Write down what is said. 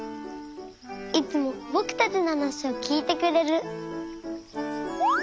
いつもぼくたちのはなしをきいてくれる。